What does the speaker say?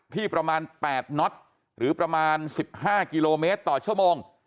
ที่ประมาณ๘น็อตหรือประมาณ๑๕กิโลเมตรต่อชั่วโมง